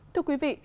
thưa quý vị